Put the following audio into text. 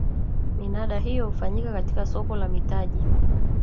minada hiyo hufanyika katika soko la mitaji